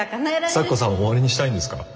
咲子さんは終わりにしたいんですか？